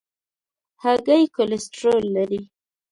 هګۍ کولیسټرول لري.